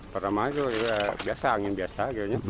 pertama itu ya biasa angin biasa